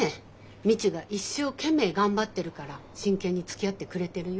未知が一生懸命頑張ってるから真剣につきあってくれてるよ。